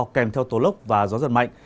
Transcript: kèm theo tố lốc và gió rất mạnh